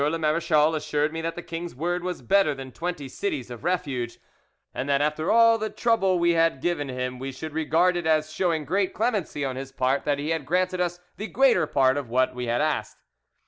le marechal assured me that the king's word was better than twenty cities of refuge, and that after all the trouble we had given him we should regard it as showing great clemency on his part that he had granted us the greater part of what we had asked.